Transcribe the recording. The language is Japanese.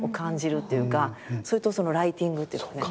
それとそのライティングっていうかね